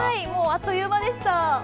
あっという間でした。